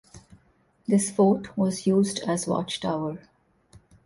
This fort was used as watch tower.